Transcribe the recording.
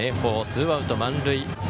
ツーアウト、満塁。